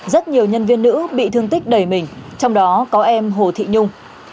rất nhiều nhân viên nữ bị thương tích đầy mình trong đó có em hồ thị nhung